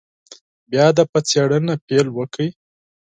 بیا دې په څېړنه پیل وکړي.